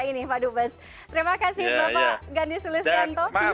terima kasih pak dubez terima kasih pak gandisulisanto